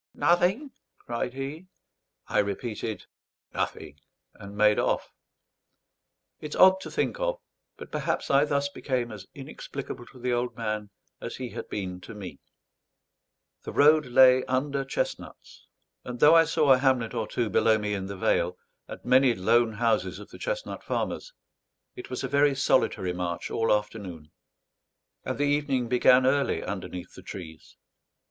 "Nothing?" cried he. I repeated "Nothing," and made off. It's odd to think of, but perhaps I thus became as inexplicable to the old man as he had been to me. The road lay under chestnuts, and though I saw a hamlet or two below me in the vale, and many lone houses of the chestnut farmers, it was a very solitary march all afternoon; and the evening began early underneath the trees.